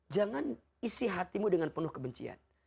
jangan isi hatimu dengan penuh kebencian